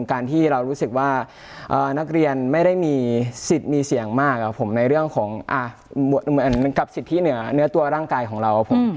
การที่เรารู้สึกว่านักเรียนไม่ได้มีสิทธิ์มีเสียงมากครับผมในเรื่องของเหมือนกับสิทธิเหนือเนื้อตัวร่างกายของเราครับผม